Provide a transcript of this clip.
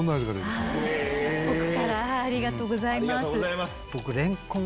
ありがとうございます。